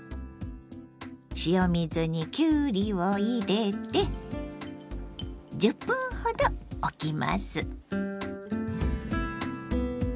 塩水にきゅうりを入れて１０分ほどおきます。